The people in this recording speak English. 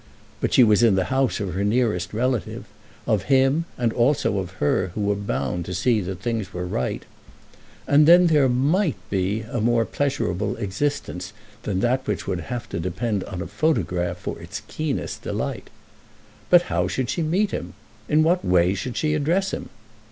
But she was in the house of her nearest relative, of him and also of her who were bound to see that things were right; and then there might be a more pleasureable existence than that which would have to depend on a photograph for its keenest delight. But how should she meet him? In what way should she address him?